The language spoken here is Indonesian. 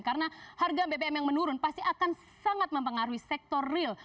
karena harga bbm yang menurun pasti akan sangat mempengaruhi sektor real